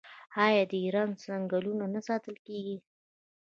آیا د ایران ځنګلونه نه ساتل کیږي؟